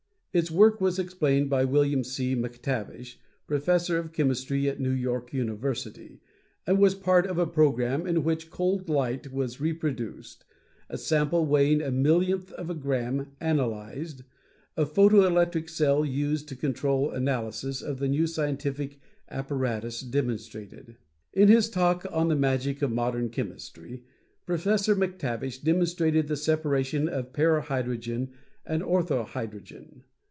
Its work was explained by William C. MacTavish, professor of chemistry at New York University, and was part of a program in which cold light was reproduced, a sample weighing a millionth of a gram analyzed, a photo electric cell used to control analysis and new scientific apparatus demonstrated. In his talk on "The Magic of Modern Chemistry," Professor MacTavish demonstrated the separation of para hydrogen and ortho hydrogen.